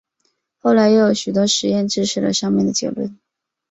后来又有许多实验支持了上面的结论。